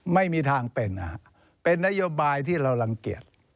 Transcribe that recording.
ไม่มีทางเป็นนโยบายที่เรารังเกียจ